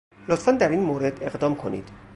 لطفاً در این مورد اقدام کنید.